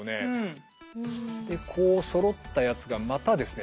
こうそろったやつがまたですね